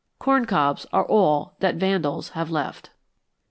Corn cobs are all that vandals have left.